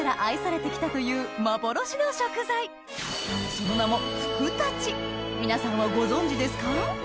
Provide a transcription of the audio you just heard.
その名も皆さんはご存じですか？